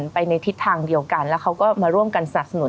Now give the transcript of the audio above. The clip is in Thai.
ไปในทิศทางเดียวกันแล้วเขาก็มาร่วมกันสนับสนุน